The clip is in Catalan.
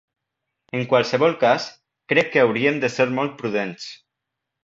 En qualsevol cas, crec que hauríem de ser molt prudents.